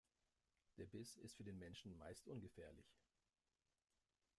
Der Biss ist für den Menschen meist ungefährlich.